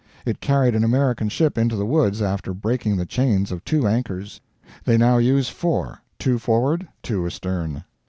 It carried an American ship into the woods after breaking the chains of two anchors. They now use four two forward, two astern.